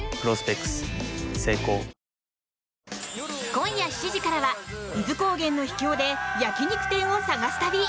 今夜７時からは伊豆高原の秘境で焼き肉店を探す旅。